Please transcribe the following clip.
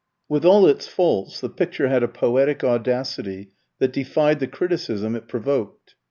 With all its faults the picture had a poetic audacity that defied the criticism it provoked.